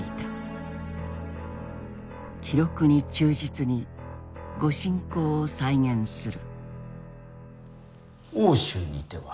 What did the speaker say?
記録に忠実に御進講を再現する。